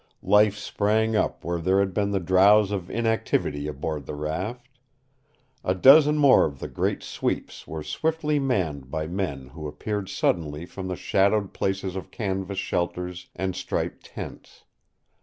Life sprang up where there had been the drowse of inactivity aboard the raft. A dozen more of the great sweeps were swiftly manned by men who appeared suddenly from the shaded places of canvas shelters and striped tents.